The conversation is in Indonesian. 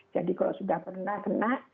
jadi kalau sudah pernah kena